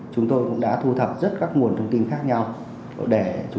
chúng tôi cũng đã thu thập rất các nguồn thông tin khác nhau